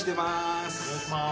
お願いします。